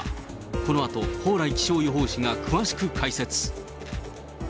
このあと、蓬莱気象予報士が詳しく解説。